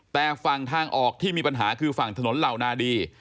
แต่ฝั่งทางออกที่มีปัญหาคือฝั่งถนนเหล่านาดี